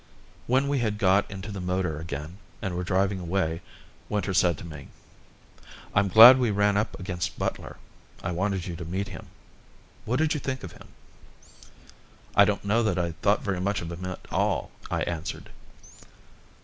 When we had got into the motor again and were driving away, Winter said to me: "I'm glad we ran up against Butler. I wanted you to meet him. What did you think of him?" "I don't know that I thought very much of him at all," I answered.